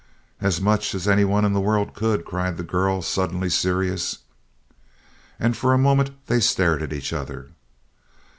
"As much as anyone in the world could!" cried the girl, suddenly serious. And for a moment they stared at each other.